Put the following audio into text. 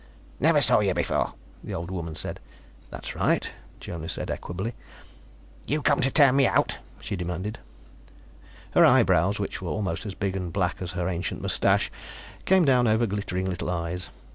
"Never saw you before," the old woman said. "That's right," Jonas said equably. "You come to turn me out?" she demanded. Her eyebrows which were almost as big and black as her ancient mustache came down over glittering little eyes.